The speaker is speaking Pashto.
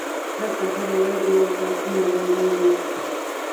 هلته هره ورځ یوه کارخونه بندیږي